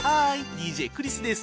ＤＪクリスです。